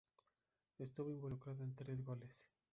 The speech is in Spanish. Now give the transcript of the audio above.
Estuvo involucrado en los tres goles.